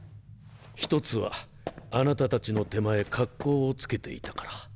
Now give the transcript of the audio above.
１つはあなたたちの手前格好をつけていたから。